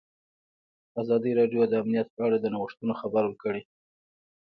ازادي راډیو د امنیت په اړه د نوښتونو خبر ورکړی.